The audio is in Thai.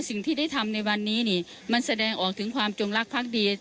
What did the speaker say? สิ่งที่ได้ทำในวันนี้นี่มันแสดงออกถึงความจงรักภักดี